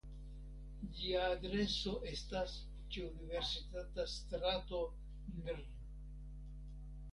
Ĝia adreso estas ĉe Universitata strato nr.